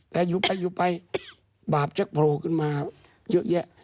แต่อยู่ไปบาปโพรบ้ามาเยอะ